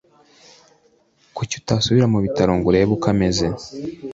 Kuki utasubira mu bitaro ngo urebe uko ameze?